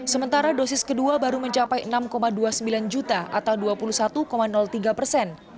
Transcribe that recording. sementara dosis kedua baru mencapai enam dua puluh sembilan juta atau dua puluh satu tiga persen